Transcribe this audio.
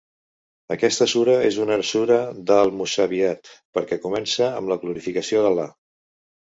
Aquesta sura és una sura d'Al-Musabbihat perquè comença amb la glorificació d'Al·là.